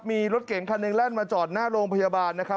มีรถเก่งคันหนึ่งแล่นมาจอดหน้าโรงพยาบาลนะครับ